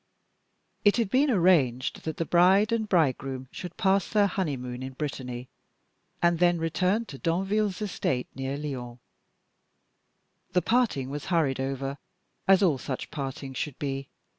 It had been arranged that the bride and bridegroom should pass their honeymoon in Brittany, and then return to Danville's estate near Lyons. The parting was hurried over, as all such partings should be.